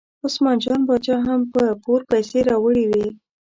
عثمان جان باچا هم په پور پیسې راوړې وې.